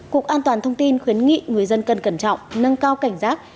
cục an toàn thông tin khuyến nghị người dân cần cẩn trọng nâng cao cảnh giác